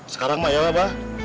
sekarang ya abah